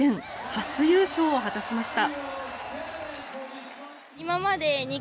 初優勝を果たしました。